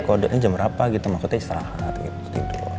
kode ini jam berapa gitu makanya istirahat gitu tidur